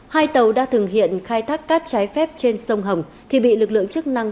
hai tàu đã thường hiện khai thác cát trái phép trên sông hồng thì bị lực lượng chức năng